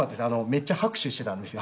めっちゃ拍手してたんですよ